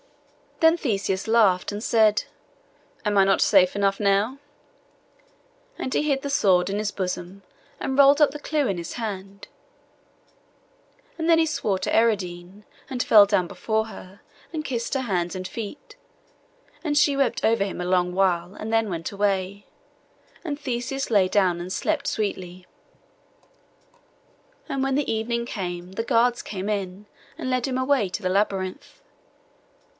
Then Theseus laughed, and said, 'Am I not safe enough now?' And he hid the sword in his bosom, and rolled up the clue in his hand; and then he swore to Ariadne, and fell down before her, and kissed her hands and her feet; and she wept over him a long while, and then went away; and Theseus lay down and slept sweetly. And when the evening came, the guards came in and led him away to the labyrinth.